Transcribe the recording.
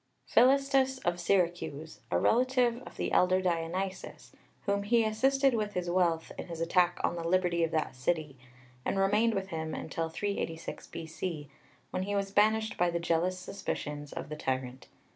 ii.) PHILISTUS of Syracuse, a relative of the elder Dionysius, whom he assisted with his wealth in his attack on the liberty of that city, and remained with him until 386 B.C., when he was banished by the jealous suspicions of the tyrant.